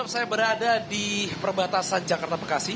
saya berada di perbatasan jakarta bekasi